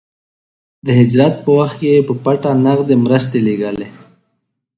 د هجرت په وخت کې يې په پټه نغدې مرستې لېږلې.